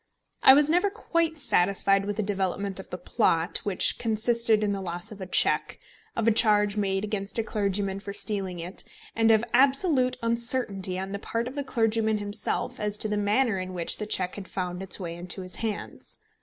I was never quite satisfied with the development of the plot, which consisted in the loss of a cheque, of a charge made against a clergyman for stealing it, and of absolute uncertainty on the part of the clergyman himself as to the manner in which the cheque had found its way into his hands.